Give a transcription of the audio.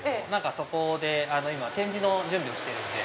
そこで展示の準備をしてるんで。